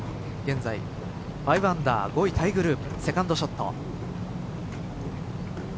現在５アンダー５位タイグループセカンドショット。